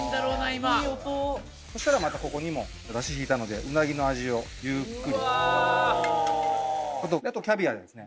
今そしたらまたここにもダシひいたのでうなぎの味をゆっくりあとキャビアですね